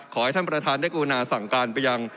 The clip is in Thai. ขอให้ท่านประธานได้กรุณาสั่งการไปยัง